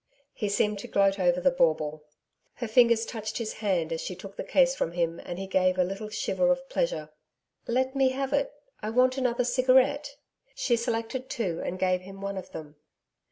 He seemed to gloat over the bauble. Her fingers touched his hand as she took the case from him, and he gave a little shiver of pleasure. 'Let me have it; I want another cigarette.' She selected two and gave him one of them.